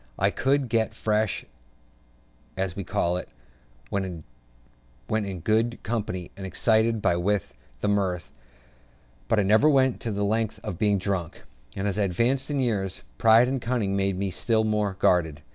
I could get "fresh," as we call it, when in good company and excited by wit and mirth; but I never went to the length of being drunk; and, as I advanced in years, pride and cunning made me still more guarded.